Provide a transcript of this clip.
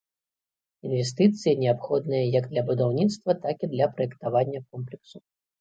Інвестыцыі неабходныя як для будаўніцтва, так і для праектавання комплексу.